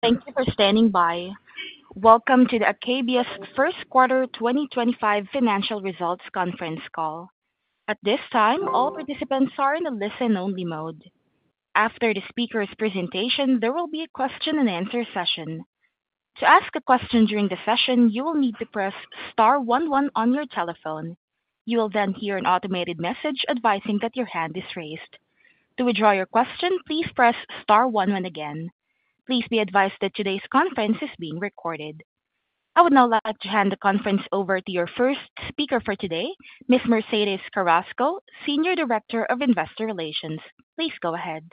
Thank you for standing by. Welcome to Akebia's First Quarter 2025 Financial Results Conference Call. At this time, all participants are in a listen-only mode. After the speaker's presentation, there will be a question-and-answer session. To ask a question during the session, you will need to press star one one on your telephone. You will then hear an automated message advising that your hand is raised. To withdraw your question, please press star one one again. Please be advised that today's conference is being recorded. I would now like to hand the conference over to your first speaker for today, Ms. Mercedes Carrasco, Senior Director of Investor Relations. Please go ahead.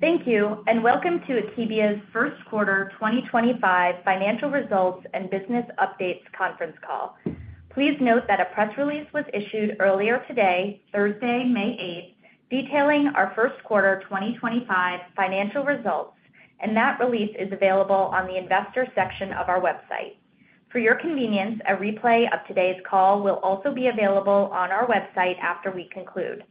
Thank you, and welcome to Akebia's First Quarter 2025 Financial Results and Business Updates Conference Call. Please note that a press release was issued earlier today, Thursday, May 8, detailing our first quarter 2025 financial results, and that release is available on the investor section of our website. For your convenience, a replay of today's call will also be available on our website after we conclude.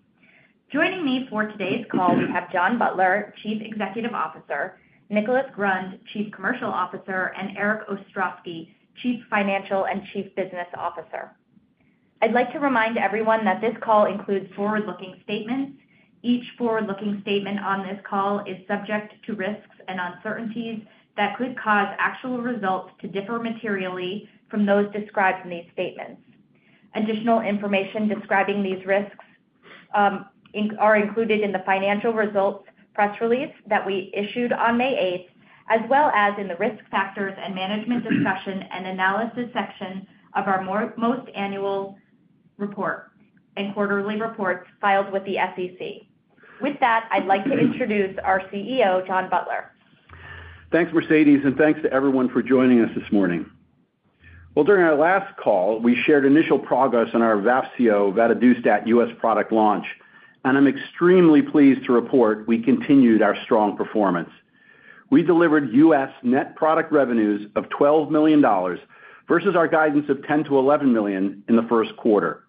Joining me for today's call, we have John Butler, Chief Executive Officer, Nicholas Grund, Chief Commercial Officer, and Erik Ostrowski, Chief Financial and Chief Business Officer. I'd like to remind everyone that this call includes forward-looking statements. Each forward-looking statement on this call is subject to risks and uncertainties that could cause actual results to differ materially from those described in these statements. Additional information describing these risks are included in the financial results press release that we issued on May 8th, as well as in the risk factors and management discussion and analysis section of our most annual report and quarterly reports filed with the SEC. With that, I'd like to introduce our CEO, John Butler. Thanks, Mercedes, and thanks to everyone for joining us this morning. During our last call, we shared initial progress on our Vafseo vadadustat U.S. product launch, and I'm extremely pleased to report we continued our strong performance. We delivered U.S. net product revenues of $12 million versus our guidance of $10-$11 million in the first quarter.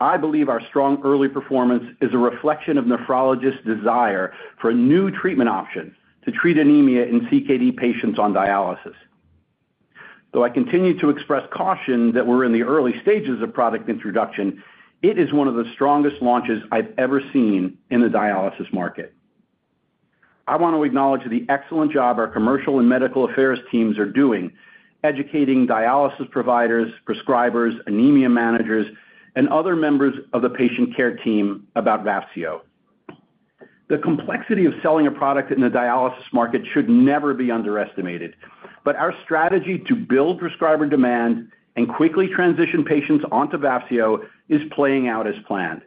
I believe our strong early performance is a reflection of nephrologists' desire for a new treatment option to treat anemia in CKD patients on dialysis. Though I continue to express caution that we're in the early stages of product introduction, it is one of the strongest launches I've ever seen in the dialysis market. I want to acknowledge the excellent job our commercial and medical affairs teams are doing, educating dialysis providers, prescribers, anemia managers, and other members of the patient care team about Vafseo. The complexity of selling a product in the dialysis market should never be underestimated, but our strategy to build prescriber demand and quickly transition patients onto Vafseo is playing out as planned.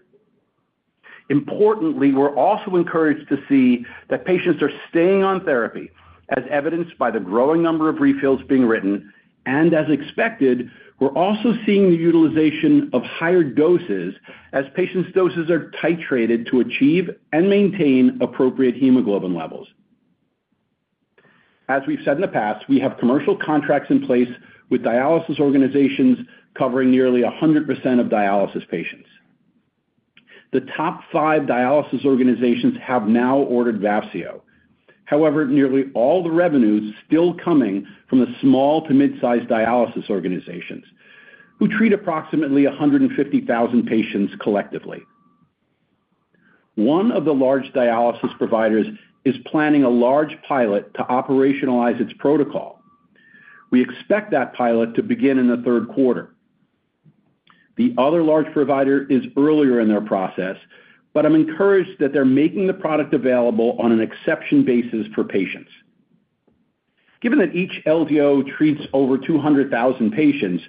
Importantly, we're also encouraged to see that patients are staying on therapy, as evidenced by the growing number of refills being written, and as expected, we're also seeing the utilization of higher doses as patients' doses are titrated to achieve and maintain appropriate hemoglobin levels. As we've said in the past, we have commercial contracts in place with dialysis organizations covering nearly 100% of dialysis patients. The top five dialysis organizations have now ordered Vafseo. However, nearly all the revenues are still coming from the small to mid-sized dialysis organizations, who treat approximately 150,000 patients collectively. One of the large dialysis providers is planning a large pilot to operationalize its protocol. We expect that pilot to begin in the third quarter. The other large provider is earlier in their process, but I'm encouraged that they're making the product available on an exception basis for patients. Given that each LDO treats over 200,000 patients,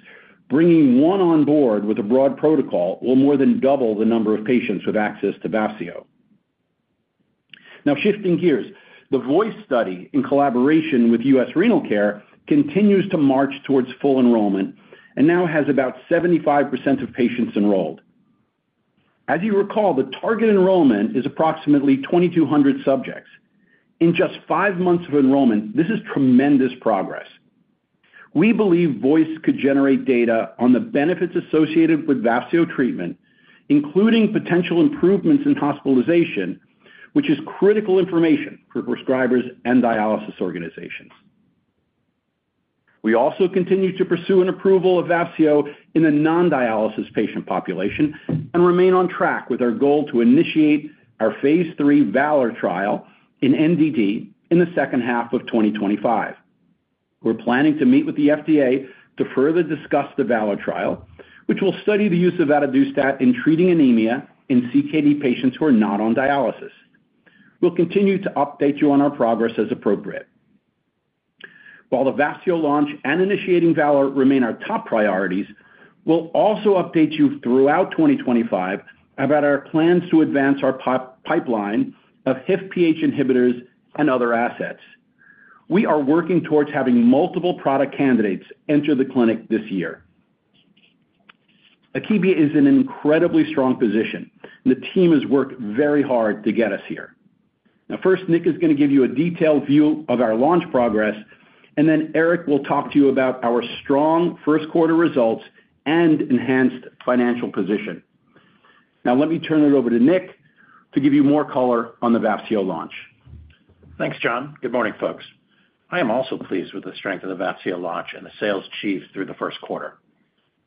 bringing one on board with a broad protocol will more than double the number of patients with access to Vafseo. Now, shifting gears, the VOICE study in collaboration with U.S. Renal Care continues to march towards full enrollment and now has about 75% of patients enrolled. As you recall, the target enrollment is approximately 2,200 subjects. In just five months of enrollment, this is tremendous progress. We believe VOICE could generate data on the benefits associated with Vafseo treatment, including potential improvements in hospitalization, which is critical information for prescribers and dialysis organizations. We also continue to pursue an approval of Vafseo in the non-dialysis patient population and remain on track with our goal to initiate our phase three VALOR trial in NDD in the second half of 2025. We're planning to meet with the FDA to further discuss the VALOR trial, which will study the use of vadadustat in treating anemia in CKD patients who are not on dialysis. We'll continue to update you on our progress as appropriate. While the Vafseo launch and initiating VALOR remain our top priorities, we'll also update you throughout 2025 about our plans to advance our pipeline of HIF-PH inhibitors and other assets. We are working towards having multiple product candidates enter the clinic this year. Akebia is in an incredibly strong position, and the team has worked very hard to get us here. Now, first, Nick is going to give you a detailed view of our launch progress, and then Eric will talk to you about our strong first quarter results and enhanced financial position. Now, let me turn it over to Nick to give you more color on the Vafseo launch. Thanks, John. Good morning, folks. I am also pleased with the strength of the Vafseo launch and the sales achieved through the first quarter.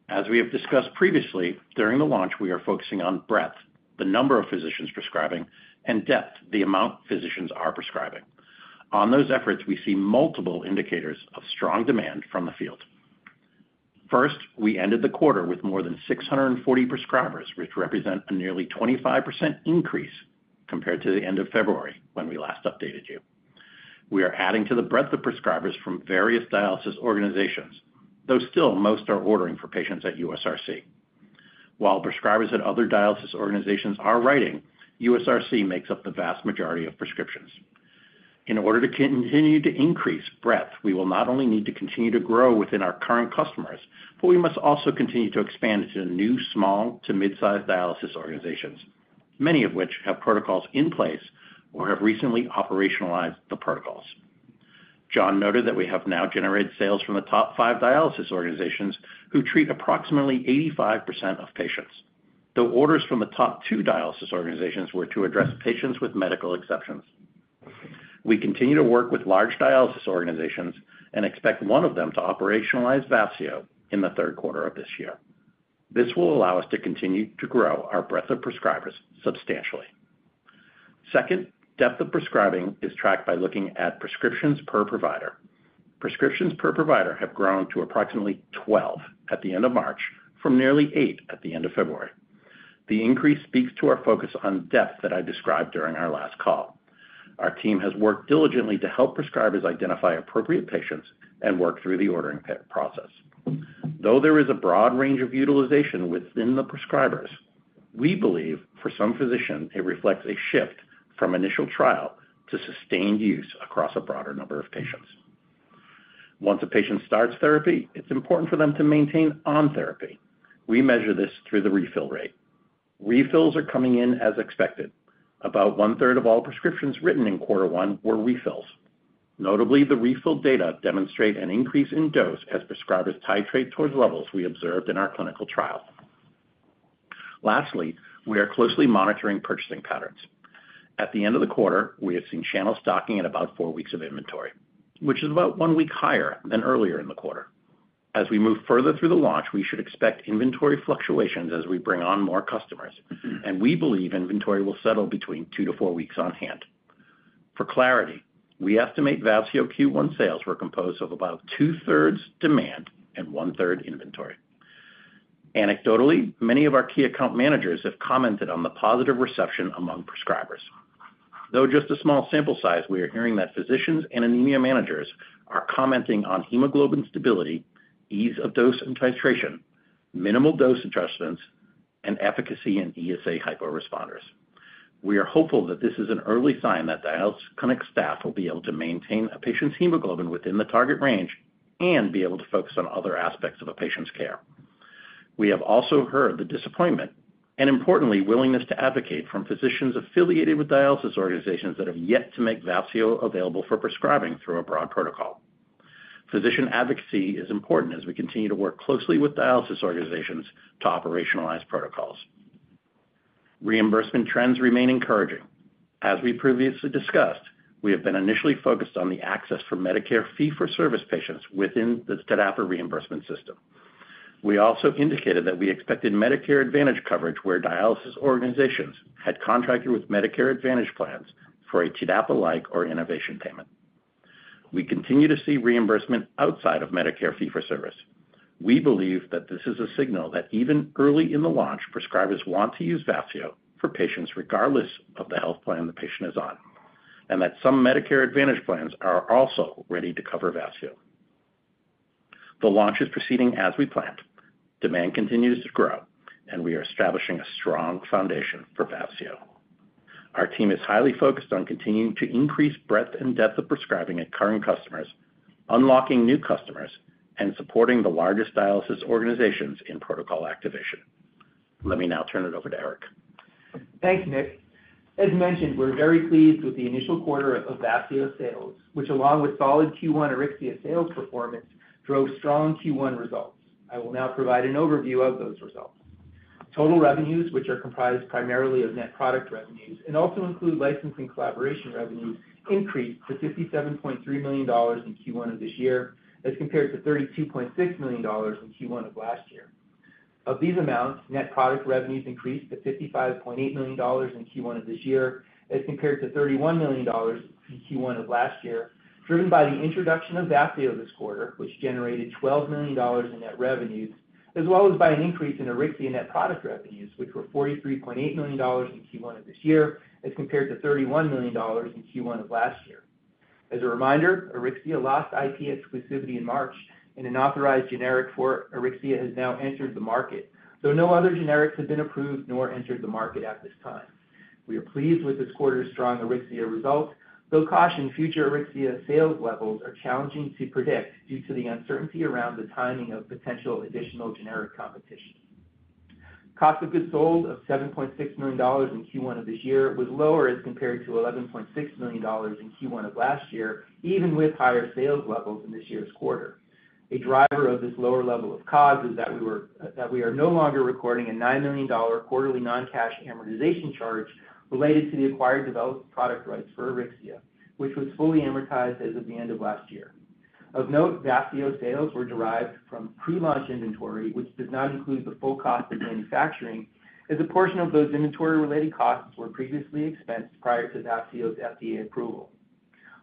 As we have discussed previously, during the launch, we are focusing on breadth, the number of physicians prescribing, and depth, the amount physicians are prescribing. On those efforts, we see multiple indicators of strong demand from the field. First, we ended the quarter with more than 640 prescribers, which represent a nearly 25% increase compared to the end of February when we last updated you. We are adding to the breadth of prescribers from various dialysis organizations, though still most are ordering for patients at U.S. Renal Care. While prescribers at other dialysis organizations are writing, U.S. Renal Care makes up the vast majority of prescriptions. In order to continue to increase breadth, we will not only need to continue to grow within our current customers, but we must also continue to expand into new small to mid-sized dialysis organizations, many of which have protocols in place or have recently operationalized the protocols. John noted that we have now generated sales from the top five dialysis organizations who treat approximately 85% of patients, though orders from the top two dialysis organizations were to address patients with medical exceptions. We continue to work with large dialysis organizations and expect one of them to operationalize Vafseo in the third quarter of this year. This will allow us to continue to grow our breadth of prescribers substantially. Second, depth of prescribing is tracked by looking at prescriptions per provider. Prescriptions per provider have grown to approximately 12 at the end of March from nearly 8 at the end of February. The increase speaks to our focus on depth that I described during our last call. Our team has worked diligently to help prescribers identify appropriate patients and work through the ordering process. Though there is a broad range of utilization within the prescribers, we believe for some physicians it reflects a shift from initial trial to sustained use across a broader number of patients. Once a patient starts therapy, it's important for them to maintain on therapy. We measure this through the refill rate. Refills are coming in as expected. About one-third of all prescriptions written in quarter one were refills. Notably, the refill data demonstrate an increase in dose as prescribers titrate towards levels we observed in our clinical trial. Lastly, we are closely monitoring purchasing patterns. At the end of the quarter, we have seen channels stocking at about four weeks of inventory, which is about one week higher than earlier in the quarter. As we move further through the launch, we should expect inventory fluctuations as we bring on more customers, and we believe inventory will settle between two to four weeks on hand. For clarity, we estimate Vafseo Q1 sales were composed of about two-thirds demand and one-third inventory. Anecdotally, many of our key account managers have commented on the positive reception among prescribers. Though just a small sample size, we are hearing that physicians and anemia managers are commenting on hemoglobin stability, ease of dose and titration, minimal dose adjustments, and efficacy in ESA hyporesponders. We are hopeful that this is an early sign that dialysis clinic staff will be able to maintain a patient's hemoglobin within the target range and be able to focus on other aspects of a patient's care. We have also heard the disappointment and, importantly, willingness to advocate from physicians affiliated with dialysis organizations that have yet to make Vafseo available for prescribing through a broad protocol. Physician advocacy is important as we continue to work closely with dialysis organizations to operationalize protocols. Reimbursement trends remain encouraging. As we previously discussed, we have been initially focused on the access for Medicare fee-for-service patients within the TDAPA reimbursement system. We also indicated that we expected Medicare Advantage coverage where dialysis organizations had contracted with Medicare Advantage plans for a TDAPA-like or innovation payment. We continue to see reimbursement outside of Medicare fee-for-service. We believe that this is a signal that even early in the launch, prescribers want to use Vafseo for patients regardless of the health plan the patient is on, and that some Medicare Advantage plans are also ready to cover Vafseo. The launch is proceeding as we planned. Demand continues to grow, and we are establishing a strong foundation for Vafseo. Our team is highly focused on continuing to increase breadth and depth of prescribing at current customers, unlocking new customers, and supporting the largest dialysis organizations in protocol activation. Let me now turn it over to Eric. Thanks, Nick. As mentioned, we're very pleased with the initial quarter of Vafseo sales, which, along with solid Q1 Auryxia sales performance, drove strong Q1 results. I will now provide an overview of those results. Total revenues, which are comprised primarily of net product revenues and also include licensing collaboration revenues, increased to $57.3 million in Q1 of this year as compared to $32.6 million in Q1 of last year. Of these amounts, net product revenues increased to $55.8 million in Q1 of this year as compared to $31 million in Q1 of last year, driven by the introduction of Vafseo this quarter, which generated $12 million in net revenues, as well as by an increase in Auryxia net product revenues, which were $43.8 million in Q1 of this year as compared to $31 million in Q1 of last year. As a reminder, Auryxia lost IP exclusivity in March, and an authorized generic for Auryxia has now entered the market, though no other generics have been approved nor entered the market at this time. We are pleased with this quarter's strong Auryxia results, though caution future Auryxia sales levels are challenging to predict due to the uncertainty around the timing of potential additional generic competition. Cost of goods sold of $7.6 million in Q1 of this year was lower as compared to $11.6 million in Q1 of last year, even with higher sales levels in this year's quarter. A driver of this lower level of cost is that we are no longer recording a $9 million quarterly non-cash amortization charge related to the acquired developed product rights for Auryxia, which was fully amortized as of the end of last year. Of note, Vafseo sales were derived from pre-launch inventory, which does not include the full cost of manufacturing, as a portion of those inventory-related costs were previously expensed prior to Vafseo's FDA approval.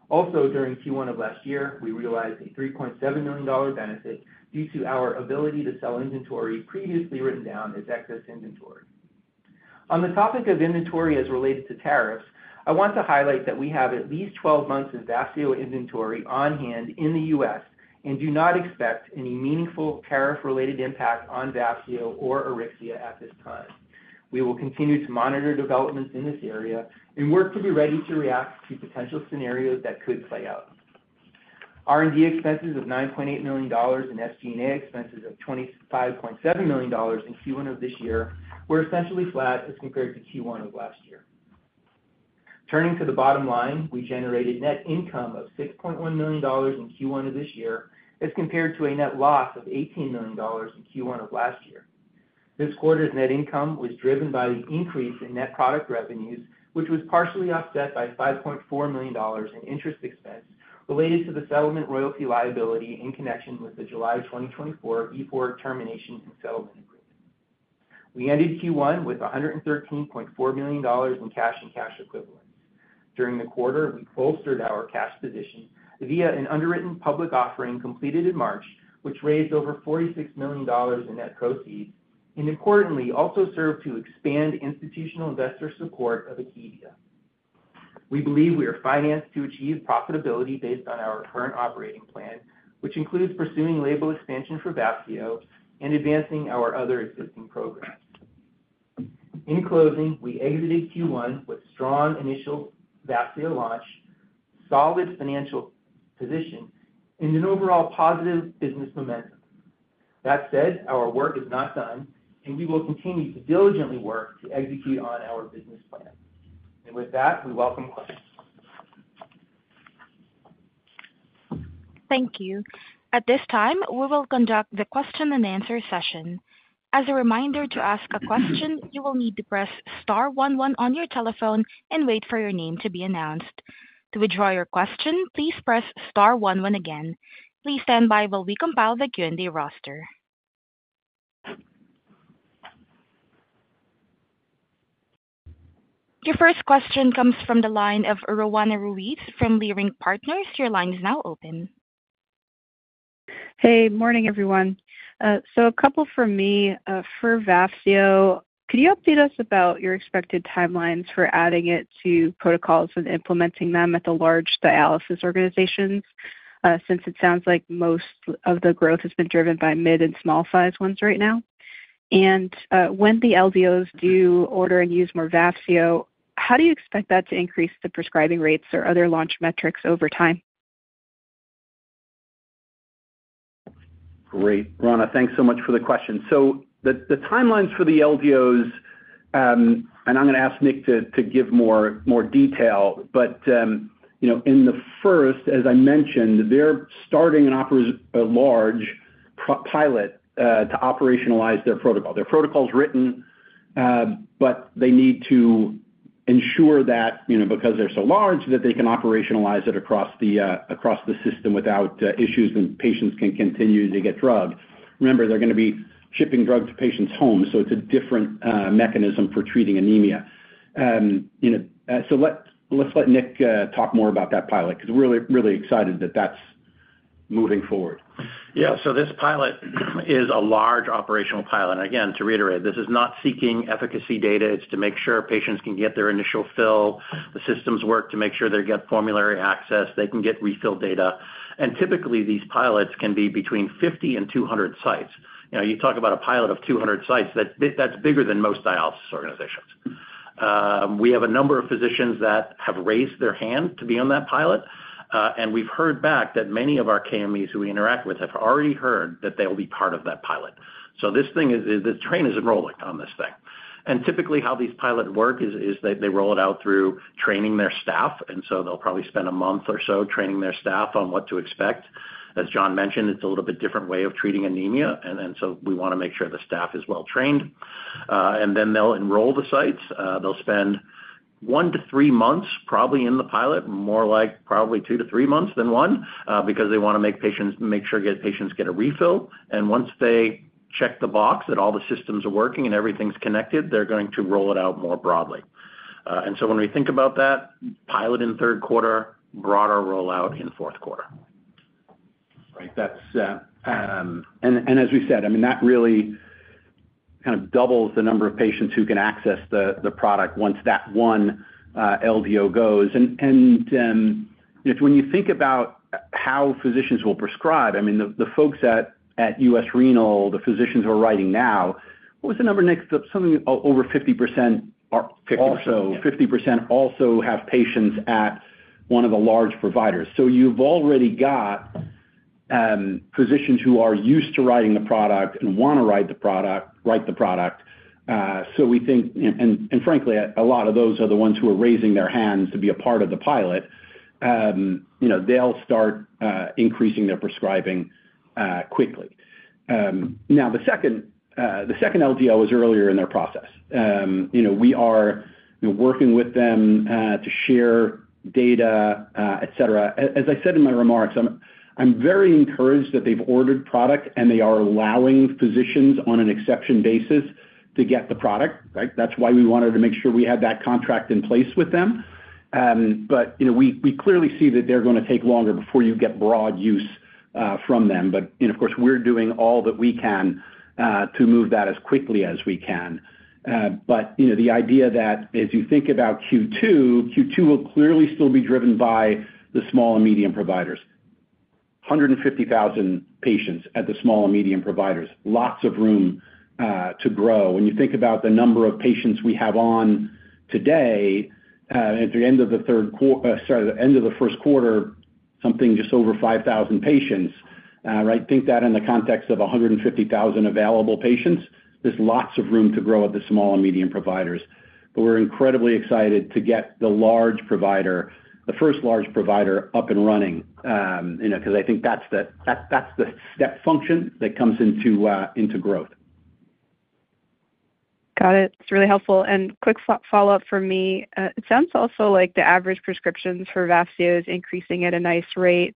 Also, during Q1 of last year, we realized a $3.7 million benefit due to our ability to sell inventory previously written down as excess inventory. On the topic of inventory as related to tariffs, I want to highlight that we have at least 12 months of Vafseo inventory on hand in the U.S. and do not expect any meaningful tariff-related impact on Vafseo or Auryxia at this time. We will continue to monitor developments in this area and work to be ready to react to potential scenarios that could play out. R&D expenses of $9.8 million and SG&A expenses of $25.7 million in Q1 of this year were essentially flat as compared to Q1 of last year. Turning to the bottom line, we generated net income of $6.1 million in Q1 of this year as compared to a net loss of $18 million in Q1 of last year. This quarter's net income was driven by the increase in net product revenues, which was partially offset by $5.4 million in interest expense related to the settlement royalty liability in connection with the July 2024 Vafseo termination and settlement agreement. We ended Q1 with $113.4 million in cash and cash equivalents. During the quarter, we bolstered our cash position via an underwritten public offering completed in March, which raised over $46 million in net proceeds and, importantly, also served to expand institutional investor support of Akebia. We believe we are financed to achieve profitability based on our current operating plan, which includes pursuing label expansion for Vafseo and advancing our other existing programs. In closing, we exited Q1 with strong initial Vafseo launch, solid financial position, and an overall positive business momentum. That said, our work is not done, and we will continue to diligently work to execute on our business plan. With that, we welcome questions. Thank you. At this time, we will conduct the question-and-answer session. As a reminder, to ask a question, you will need to press star one one on your telephone and wait for your name to be announced. To withdraw your question, please press star 11 again. Please stand by while we compile the Q&A roster. Your first question comes from the line of Roanna Ruiz from Leerink Partners. Your line is now open. Hey, morning, everyone. A couple from me for Vafseo. Could you update us about your expected timelines for adding it to protocols and implementing them at the large dialysis organizations since it sounds like most of the growth has been driven by mid and small-sized ones right now? When the LDOs do order and use more Vafseo, how do you expect that to increase the prescribing rates or other launch metrics over time? Great. Roanna, thanks so much for the question. The timelines for the LDOs, and I'm going to ask Nick to give more detail, but in the first, as I mentioned, they're starting a large pilot to operationalize their protocol. Their protocol's written, but they need to ensure that because they're so large that they can operationalize it across the system without issues and patients can continue to get drugs. Remember, they're going to be shipping drugs to patients' homes, so it's a different mechanism for treating anemia. Let's let Nick talk more about that pilot because we're really excited that that's moving forward. Yeah. This pilot is a large operational pilot. Again, to reiterate, this is not seeking efficacy data. It is to make sure patients can get their initial fill, the systems work to make sure they get formulary access, they can get refill data. Typically, these pilots can be between 50 and 200 sites. You talk about a pilot of 200 sites, that is bigger than most dialysis organizations. We have a number of physicians that have raised their hand to be on that pilot, and we have heard back that many of our KMEs who we interact with have already heard that they will be part of that pilot. This train is enrolling on this thing. Typically, how these pilots work is they roll it out through training their staff, and they will probably spend a month or so training their staff on what to expect. As John mentioned, it's a little bit different way of treating anemia, and so we want to make sure the staff is well-trained. Then they'll enroll the sites. They'll spend one to three months probably in the pilot, more like probably two to three months than one because they want to make sure patients get a refill. Once they check the box that all the systems are working and everything's connected, they're going to roll it out more broadly. When we think about that, pilot in third quarter, broader rollout in fourth quarter. Right. As we said, I mean, that really kind of doubles the number of patients who can access the product once that one LDO goes. When you think about how physicians will prescribe, I mean, the folks at U.S. Renal, the physicians who are writing now, what was the number, Nick? Something over 50%. 50%. 50% also have patients at one of the large providers. You have already got physicians who are used to writing the product and want to write the product. We think, and frankly, a lot of those are the ones who are raising their hands to be a part of the pilot. They will start increasing their prescribing quickly. Now, the second LDO is earlier in their process. We are working with them to share data, etc. As I said in my remarks, I am very encouraged that they have ordered product and they are allowing physicians on an exception basis to get the product. That is why we wanted to make sure we had that contract in place with them. We clearly see that they are going to take longer before you get broad use from them. Of course, we're doing all that we can to move that as quickly as we can. The idea that as you think about Q2, Q2 will clearly still be driven by the small and medium providers. 150,000 patients at the small and medium providers. Lots of room to grow. When you think about the number of patients we have on today, at the end of the third quarter, sorry, the end of the first quarter, something just over 5,000 patients, right? Think that in the context of 150,000 available patients. There's lots of room to grow at the small and medium providers. We're incredibly excited to get the first large provider up and running because I think that's the step function that comes into growth. Got it. That's really helpful. Quick follow-up from me. It sounds also like the average prescriptions for Vafseo is increasing at a nice rate.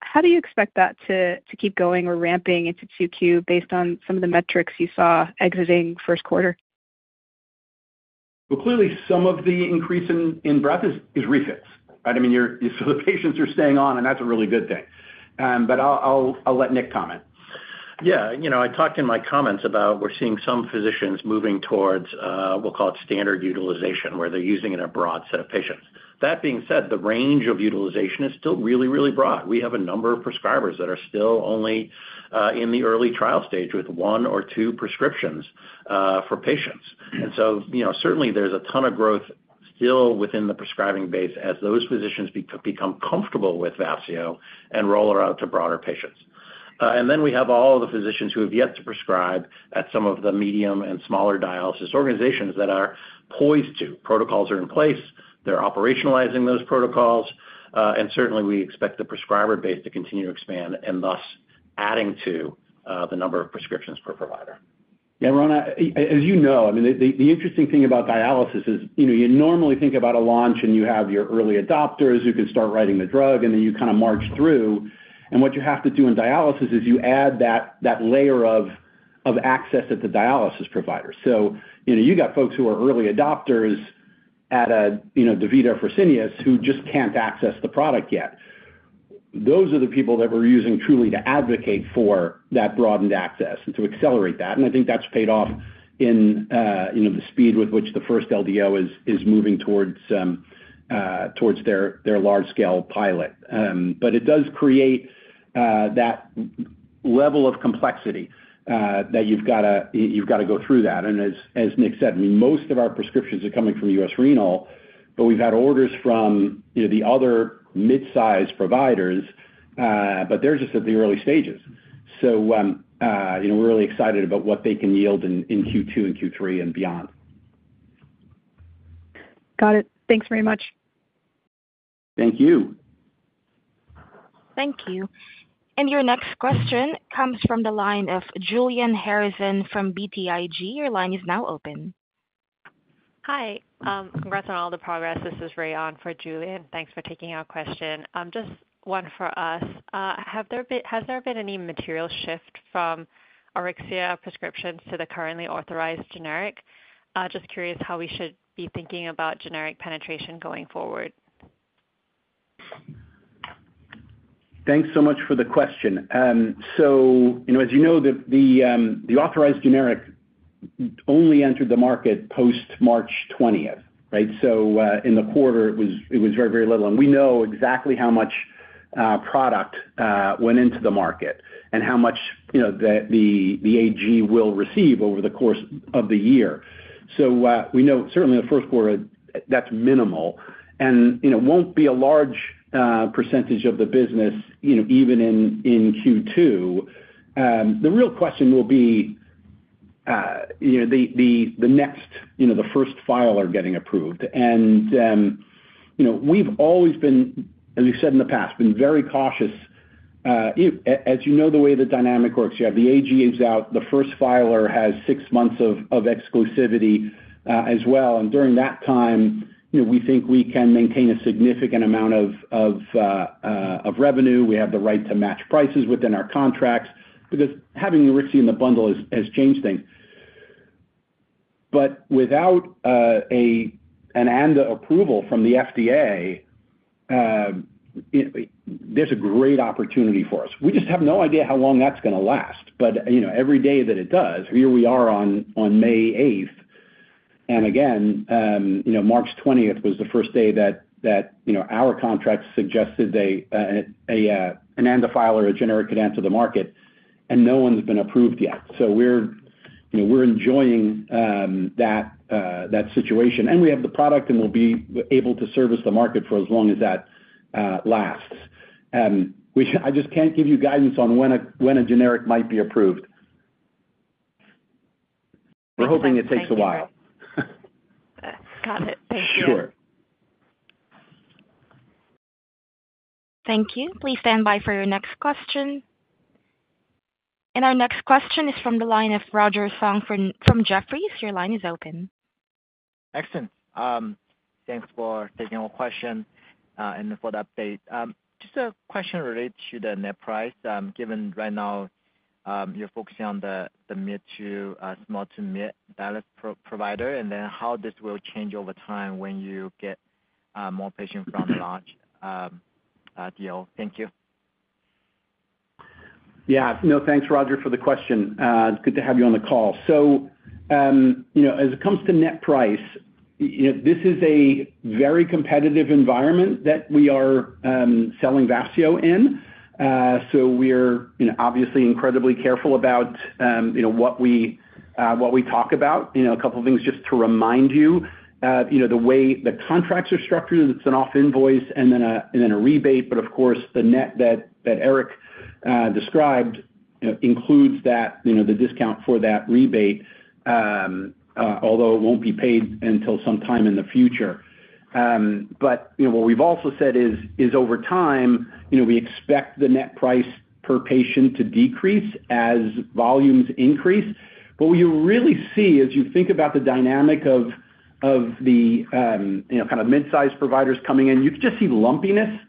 How do you expect that to keep going or ramping into Q2 based on some of the metrics you saw exiting first quarter? Clearly, some of the increase in breadth is refills, right? I mean, so the patients are staying on, and that's a really good thing. I will let Nick comment. Yeah. I talked in my comments about we're seeing some physicians moving towards, we'll call it standard utilization, where they're using it in a broad set of patients. That being said, the range of utilization is still really, really broad. We have a number of prescribers that are still only in the early trial stage with one or two prescriptions for patients. Certainly, there's a ton of growth still within the prescribing base as those physicians become comfortable with Vafseo and roll it out to broader patients. We have all of the physicians who have yet to prescribe at some of the medium and smaller dialysis organizations that are poised to. Protocols are in place. They're operationalizing those protocols. Certainly, we expect the prescriber base to continue to expand and thus adding to the number of prescriptions per provider. Yeah. Roanna, as you know, I mean, the interesting thing about dialysis is you normally think about a launch and you have your early adopters who can start writing the drug, and then you kind of march through. What you have to do in dialysis is you add that layer of access at the dialysis provider. So you've got folks who are early adopters at DaVita, Fresenius who just can't access the product yet. Those are the people that we're using truly to advocate for that broadened access and to accelerate that. I think that's paid off in the speed with which the first LDO is moving towards their large-scale pilot. It does create that level of complexity that you've got to go through that. As Nick said, I mean, most of our prescriptions are coming from U.S. Renal, but we've had orders from the other mid-sized providers, but they're just at the early stages. We are really excited about what they can yield in Q2 and Q3 and beyond. Got it. Thanks very much. Thank you. Thank you. Your next question comes from the line of Julian Harrison from BTIG. Your line is now open. Hi. Congrats on all the progress. This is Rayon for Julian. Thanks for taking our question. Just one for us. Has there been any material shift from Auryxia prescriptions to the currently authorized generic? Just curious how we should be thinking about generic penetration going forward. Thanks so much for the question. As you know, the authorized generic only entered the market post-March 20, right? In the quarter, it was very, very little. We know exactly how much product went into the market and how much the AG will receive over the course of the year. We know certainly in the first quarter, that's minimal and will not be a large percentage of the business even in Q2. The real question will be the next, the first filer getting approved. We have always been, as we have said in the past, very cautious. As you know, the way the dynamic works, you have the AGs out, the first filer has six months of exclusivity as well. During that time, we think we can maintain a significant amount of revenue. We have the right to match prices within our contracts because having Auryxia in the bundle has changed things. Without an ANDA approval from the FDA, there's a great opportunity for us. We just have no idea how long that's going to last. Every day that it does, here we are on May 8th. Again, March 20th was the first day that our contracts suggested an ANDA filer, a generic, could enter the market, and no one's been approved yet. We're enjoying that situation. We have the product, and we'll be able to service the market for as long as that lasts. I just can't give you guidance on when a generic might be approved. We're hoping it takes a while. Got it. Thank you. Sure. Thank you. Please stand by for your next question. Our next question is from the line of Roger Song from Jefferies. Your line is open. Excellent. Thanks for taking our question and for the update. Just a question related to the net price. Given right now, you're focusing on the small to mid dialysis provider and then how this will change over time when you get more patients from the launch deal. Thank you. Yeah. No, thanks, Roger, for the question. It's good to have you on the call. As it comes to net price, this is a very competitive environment that we are selling Vafseo in. We're obviously incredibly careful about what we talk about. A couple of things just to remind you. The way the contracts are structured, it's an off-invoice and then a rebate. Of course, the net that Eric described includes the discount for that rebate, although it won't be paid until sometime in the future. What we've also said is over time, we expect the net price per patient to decrease as volumes increase. What you really see as you think about the dynamic of the kind of mid-sized providers coming in, you just see lumpiness in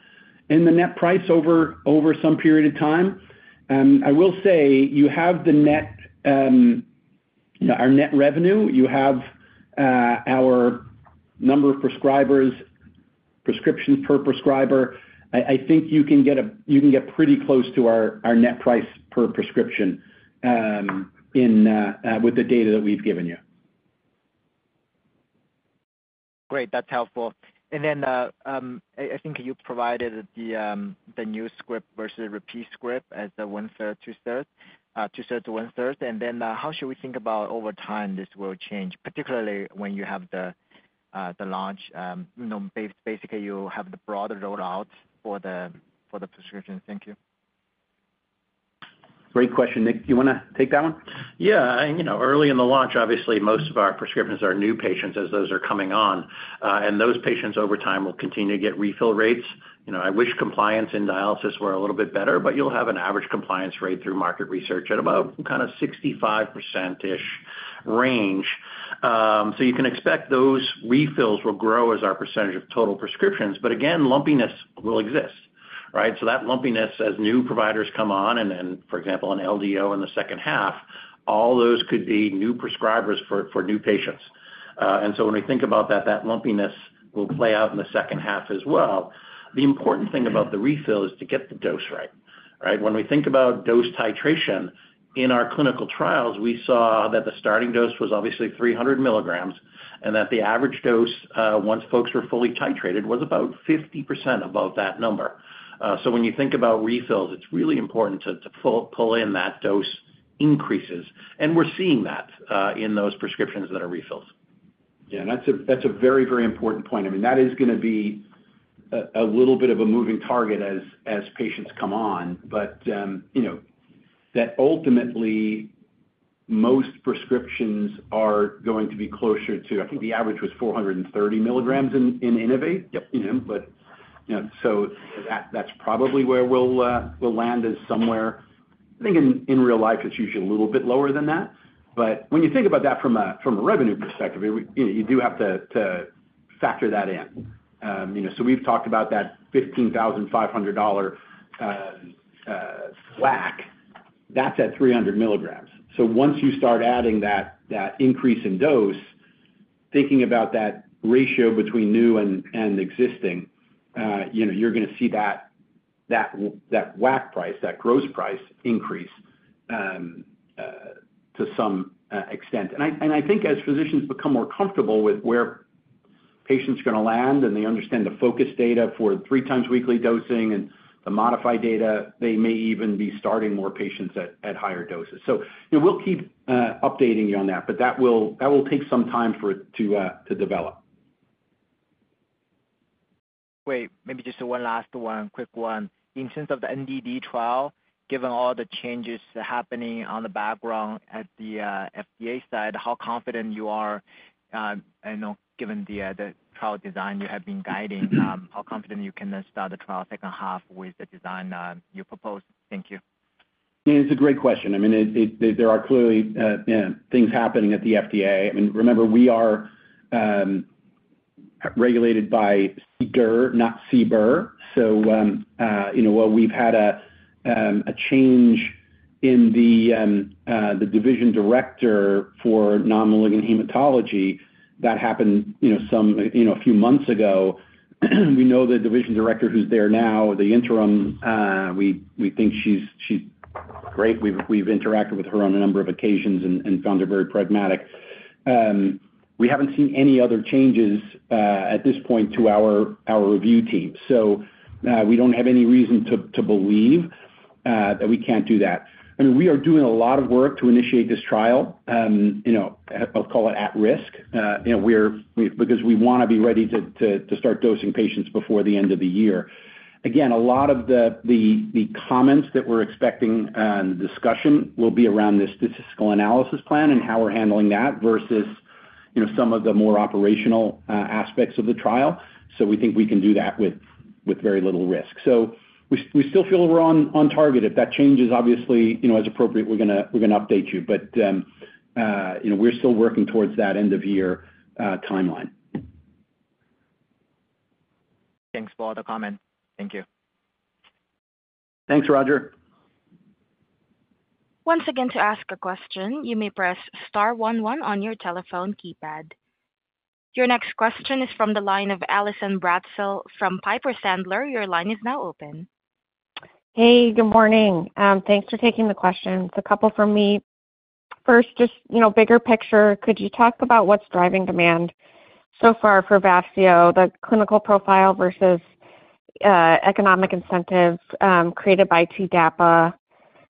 the net price over some period of time. I will say you have our net revenue. You have our number of prescribers, prescriptions per prescriber. I think you can get pretty close to our net price per prescription with the data that we've given you. Great. That's helpful. I think you provided the new script versus repeat script as the one-third, two-thirds, two-thirds, one-third. How should we think about over time this will change, particularly when you have the launch? Basically, you have the broader rollout for the prescriptions. Thank you. Great question, Nick. Do you want to take that one? Yeah. Early in the launch, obviously, most of our prescriptions are new patients as those are coming on. And those patients over time will continue to get refill rates. I wish compliance in dialysis were a little bit better, but you'll have an average compliance rate through market research at about kind of 65% range. You can expect those refills will grow as our percentage of total prescriptions. Again, lumpiness will exist, right? That lumpiness as new providers come on and then, for example, an LDO in the second half, all those could be new prescribers for new patients. When we think about that, that lumpiness will play out in the second half as well. The important thing about the refill is to get the dose right, right? When we think about dose titration, in our clinical trials, we saw that the starting dose was obviously 300 milligrams and that the average dose once folks were fully titrated was about 50% above that number. When you think about refills, it's really important to pull in that dose increases. And we're seeing that in those prescriptions that are refilled. Yeah. That's a very, very important point. I mean, that is going to be a little bit of a moving target as patients come on. That ultimately, most prescriptions are going to be closer to, I think the average was 430 milligrams in Innovate. That is probably where we'll land is somewhere. I think in real life, it's usually a little bit lower than that. When you think about that from a revenue perspective, you do have to factor that in. We've talked about that $15,500 WAC. That's at 300 milligrams. Once you start adding that increase in dose, thinking about that ratio between new and existing, you're going to see that WAC price, that gross price increase to some extent. I think as physicians become more comfortable with where patients are going to land and they understand the focus data for three times weekly dosing and the modified data, they may even be starting more patients at higher doses. We will keep updating you on that, but that will take some time to develop. Wait, maybe just one last one, quick one. In terms of the NDD trial, given all the changes happening on the background at the FDA side, how confident you are, given the trial design you have been guiding, how confident you can start the trial second half with the design you proposed? Thank you. Yeah. It's a great question. I mean, there are clearly things happening at the FDA. I mean, remember, we are regulated by CDER, not CBER. So while we've had a change in the division director for non-malignant hematology that happened a few months ago, we know the division director who's there now, the interim, we think she's great. We've interacted with her on a number of occasions and found her very pragmatic. We haven't seen any other changes at this point to our review team. So we don't have any reason to believe that we can't do that. I mean, we are doing a lot of work to initiate this trial. I'll call it at risk because we want to be ready to start dosing patients before the end of the year. Again, a lot of the comments that we're expecting and discussion will be around the statistical analysis plan and how we're handling that versus some of the more operational aspects of the trial. We think we can do that with very little risk. We still feel we're on target. If that changes, obviously, as appropriate, we're going to update you. We are still working towards that end-of-year timeline. Thanks for the comment. Thank you. Thanks, Roger. Once again, to ask a question, you may press star on your telephone keypad. Your next question is from the line of Alisson Bratzell from Piper Sandler. Your line is now open. Hey, good morning. Thanks for taking the question. It's a couple for me. First, just bigger picture, could you talk about what's driving demand so far for Vafseo, the clinical profile versus economic incentives created by TDAPA?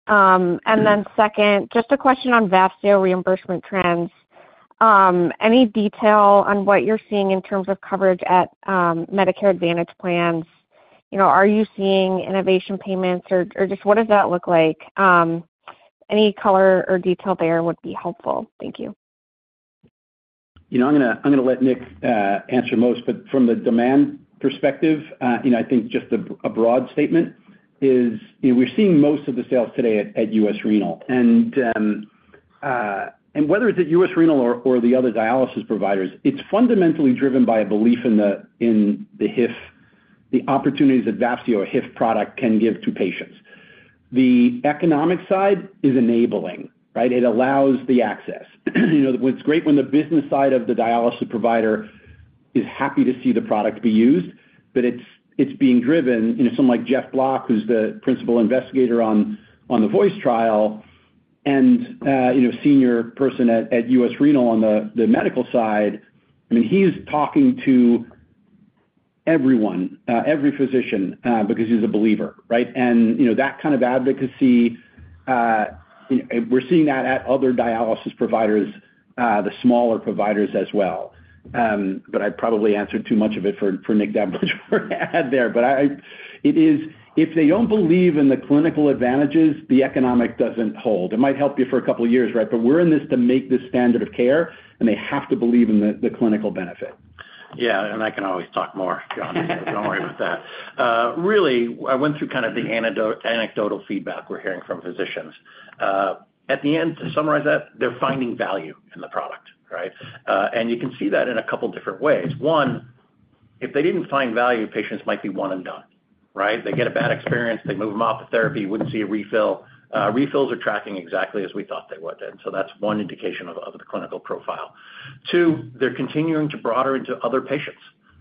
And then second, just a question on Vafseo reimbursement trends. Any detail on what you're seeing in terms of coverage at Medicare Advantage plans? Are you seeing innovation payments or just what does that look like? Any color or detail there would be helpful. Thank you. I'm going to let Nick answer most. From the demand perspective, I think just a broad statement is we're seeing most of the sales today at U.S. Renal. Whether it's at U.S. Renal or the other dialysis providers, it's fundamentally driven by a belief in the opportunities that Vafseo, a HIF product, can give to patients. The economic side is enabling, right? It allows the access. It's great when the business side of the dialysis provider is happy to see the product be used, but it's being driven in someone like Jeff Block, who's the principal investigator on the VOICE trial and a senior person at U.S. Renal on the medical side. I mean, he's talking to everyone, every physician, because he's a believer, right? That kind of advocacy, we're seeing that at other dialysis providers, the smaller providers as well. I probably answered too much of it for Nick Damberger to add there. If they do not believe in the clinical advantages, the economic does not hold. It might help you for a couple of years, right? We are in this to make the standard of care, and they have to believe in the clinical benefit. Yeah. I can always talk more, John. Don't worry about that. Really, I went through kind of the anecdotal feedback we're hearing from physicians. At the end, to summarize that, they're finding value in the product, right? You can see that in a couple of different ways. One, if they didn't find value, patients might be one and done, right? They get a bad experience. They move them off of therapy. Wouldn't see a refill. Refills are tracking exactly as we thought they would. That's one indication of the clinical profile. Two, they're continuing to broaden into other patients.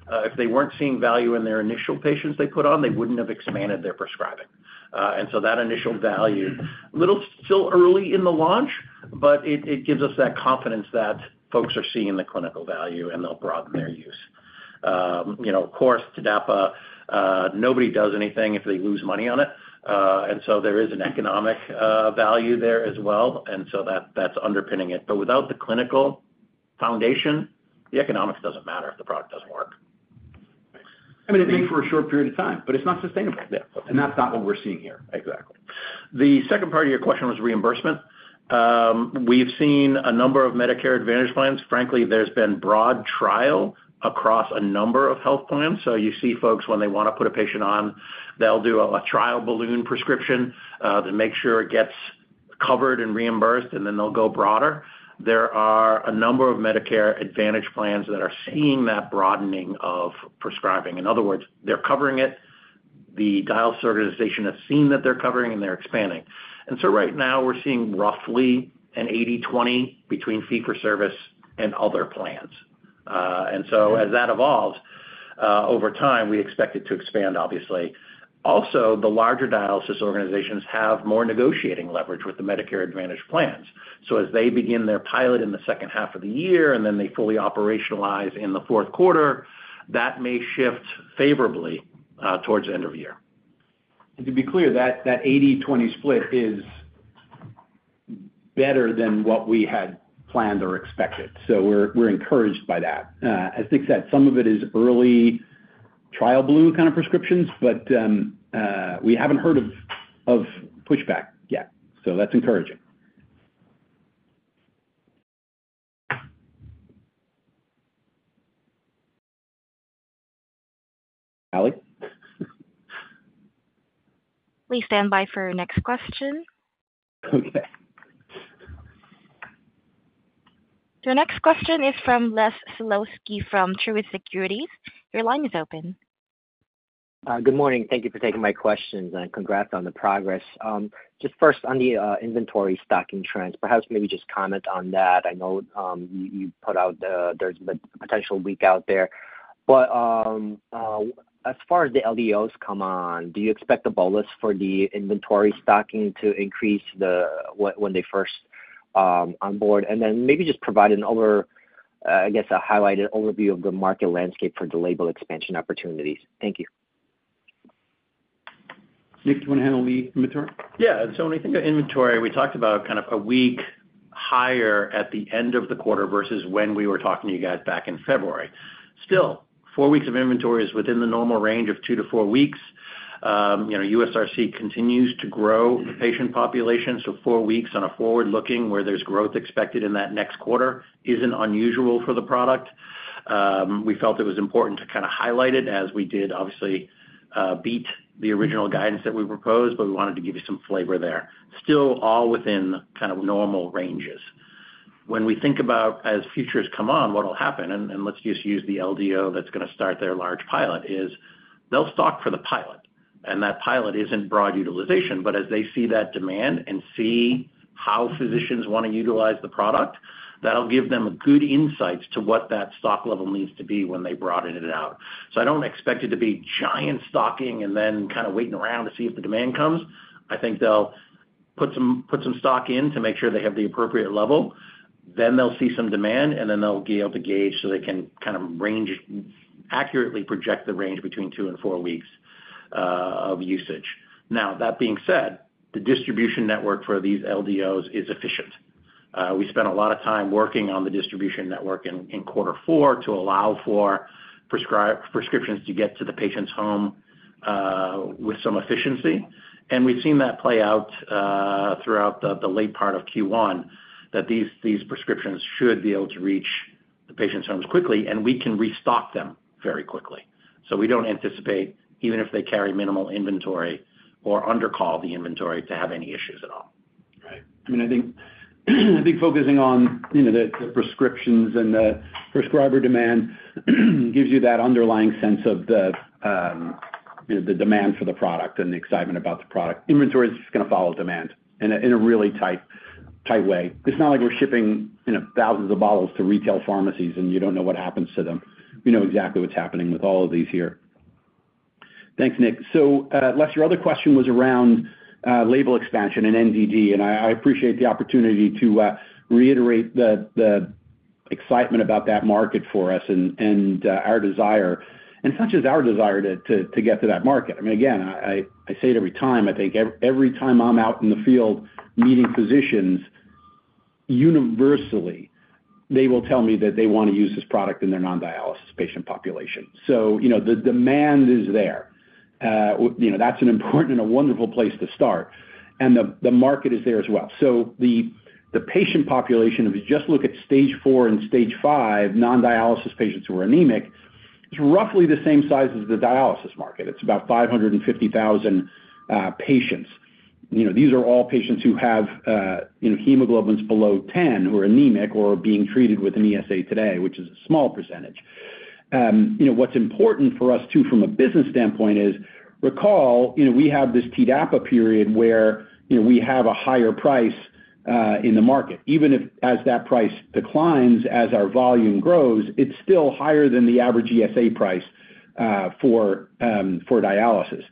If they weren't seeing value in their initial patients they put on, they wouldn't have expanded their prescribing. That initial value, a little still early in the launch, but it gives us that confidence that folks are seeing the clinical value and they'll broaden their use. Of course, TDAPA, nobody does anything if they lose money on it. There is an economic value there as well. That is underpinning it. Without the clinical foundation, the economics does not matter if the product does not work. I mean, it may for a short period of time, but it's not sustainable. That's not what we're seeing here. Exactly. The second part of your question was reimbursement. We've seen a number of Medicare Advantage plans. Frankly, there's been broad trial across a number of health plans. You see folks when they want to put a patient on, they'll do a trial balloon prescription to make sure it gets covered and reimbursed, and then they'll go broader. There are a number of Medicare Advantage plans that are seeing that broadening of prescribing. In other words, they're covering it. The dialysis organization has seen that they're covering and they're expanding. Right now, we're seeing roughly an 80/20 between fee for service and other plans. As that evolves over time, we expect it to expand, obviously. Also, the larger dialysis organizations have more negotiating leverage with the Medicare Advantage plans. As they begin their pilot in the second half of the year and then they fully operationalize in the fourth quarter, that may shift favorably towards the end of the year. To be clear, that 80/20 split is better than what we had planned or expected. We're encouraged by that. As Nick said, some of it is early trial balloon kind of prescriptions, but we haven't heard of pushback yet. That's encouraging. Ali? We stand by for your next question. Okay. Your next question is from Les Sulweski from Truist Securities. Your line is open. Good morning. Thank you for taking my questions. Congrats on the progress. Just first, on the inventory stocking trends, perhaps maybe just comment on that. I know you put out there's a potential week out there. As far as the LDOs come on, do you expect the bolus for the inventory stocking to increase when they first onboard? Maybe just provide an, I guess, a highlighted overview of the market landscape for the label expansion opportunities. Thank you. Nick, do you want to handle the inventory? Yeah. When we think of inventory, we talked about kind of a week higher at the end of the quarter versus when we were talking to you guys back in February. Still, four weeks of inventory is within the normal range of two to four weeks. USRC continues to grow the patient population. Four weeks on a forward-looking where there's growth expected in that next quarter isn't unusual for the product. We felt it was important to kind of highlight it as we did, obviously, beat the original guidance that we proposed, but we wanted to give you some flavor there. Still, all within kind of normal ranges. When we think about as futures come on, what will happen, and let's just use the LDO that's going to start their large pilot, they'll stock for the pilot. That pilot isn't broad utilization. As they see that demand and see how physicians want to utilize the product, that'll give them good insights to what that stock level needs to be when they broaden it out. I don't expect it to be giant stocking and then kind of waiting around to see if the demand comes. I think they'll put some stock in to make sure they have the appropriate level. They'll see some demand, and then they'll be able to gauge so they can kind of accurately project the range between two and four weeks of usage. That being said, the distribution network for these LDOs is efficient. We spent a lot of time working on the distribution network in quarter four to allow for prescriptions to get to the patient's home with some efficiency. We've seen that play out throughout the late part of Q1, that these prescriptions should be able to reach the patient's homes quickly, and we can restock them very quickly. We do not anticipate, even if they carry minimal inventory or undercall the inventory, to have any issues at all. Right. I mean, I think focusing on the prescriptions and the prescriber demand gives you that underlying sense of the demand for the product and the excitement about the product. Inventory is just going to follow demand in a really tight way. It's not like we're shipping thousands of bottles to retail pharmacies and you don't know what happens to them. We know exactly what's happening with all of these here. Thanks, Nick. Les, your other question was around label expansion and NDD. I appreciate the opportunity to reiterate the excitement about that market for us and our desire, and such as our desire to get to that market. I mean, again, I say it every time. I think every time I'm out in the field meeting physicians, universally, they will tell me that they want to use this product in their non-dialysis patient population. The demand is there. That's an important and a wonderful place to start. The market is there as well. The patient population, if you just look at stage four and stage five, non-dialysis patients who are anemic, it's roughly the same size as the dialysis market. It's about 550,000 patients. These are all patients who have hemoglobins below 10 who are anemic or being treated with an ESA today, which is a small percentage. What's important for us too, from a business standpoint, is recall we have this TDAPA period where we have a higher price in the market. Even as that price declines, as our volume grows, it's still higher than the average ESA price for dialysis.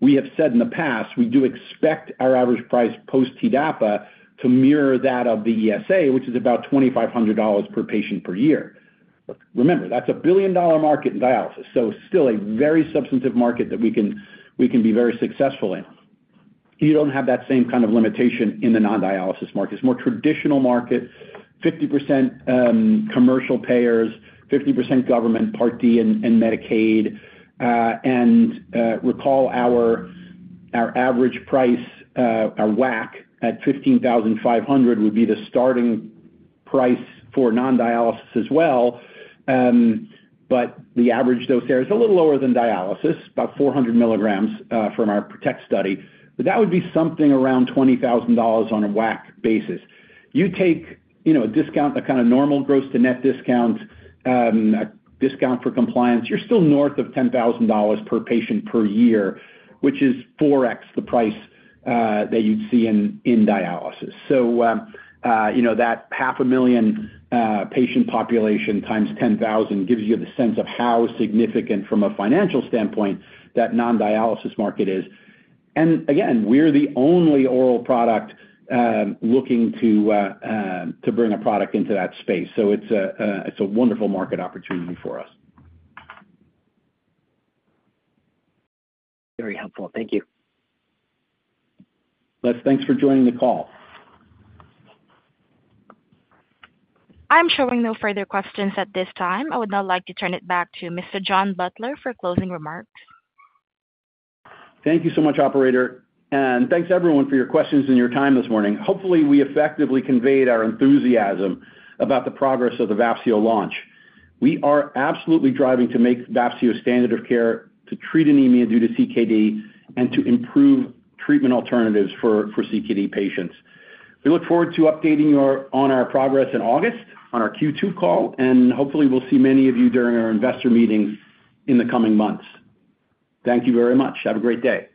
We have said in the past, we do expect our average price post-TDAPA to mirror that of the ESA, which is about $2,500 per patient per year. Remember, that's a billion-dollar market in dialysis. Still a very substantive market that we can be very successful in. You do not have that same kind of limitation in the non-dialysis market. It's a more traditional market, 50% commercial payers, 50% government, Part D, and Medicaid. Recall our average price, our WAC at $15,500 would be the starting price for non-dialysis as well. The average dose there is a little lower than dialysis, about 400 milligrams from our PROTECT study. That would be something around $20,000 on a WAC basis. You take a discount, a kind of normal gross-to-net discount, a discount for compliance, you're still north of $10,000 per patient per year, which is 4x the price that you'd see in dialysis. That 500,000 patient population times 10,000 gives you the sense of how significant from a financial standpoint that non-dialysis market is. Again, we're the only oral product looking to bring a product into that space. It's a wonderful market opportunity for us. Very helpful. Thank you. Lesy, thanks for joining the call. I'm showing no further questions at this time. I would now like to turn it back to Mr. John Butler for closing remarks. Thank you so much, Operator. Thank you everyone for your questions and your time this morning. Hopefully, we effectively conveyed our enthusiasm about the progress of the Vafseo launch. We are absolutely driving to make Vafseo standard of care to treat anemia due to CKD and to improve treatment alternatives for CKD patients. We look forward to updating you on our progress in August on our Q2 call. Hopefully, we'll see many of you during our investor meetings in the coming months. Thank you very much. Have a great day.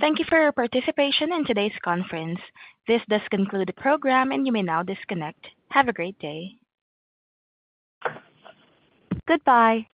Thank you for your participation in today's conference. This does conclude the program, and you may now disconnect. Have a great day. Goodbye.